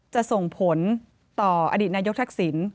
จะส่งผลต่ออดีตนายกทักษิณ